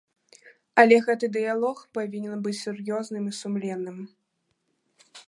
Але гэты дыялог павінен быць сур'ёзным і сумленным.